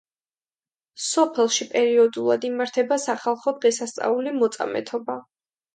სოფელში პერიოდულად იმართება სახალხო დღესასწაული მოწამეთობა.